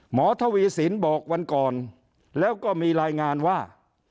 ทวีสินบอกวันก่อนแล้วก็มีรายงานว่า